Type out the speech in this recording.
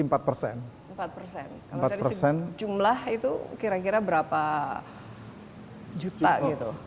kalau dari segi jumlah itu kira kira berapa juta gitu